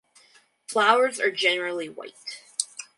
Flowers are generally white.